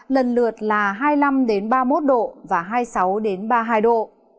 lần lượt là hai mươi năm ba mươi một độ và hai mươi sáu ba mươi hai độ